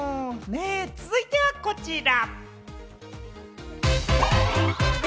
続いてはこちら。